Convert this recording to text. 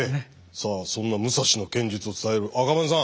さあそんな武蔵の剣術を伝える赤羽根さん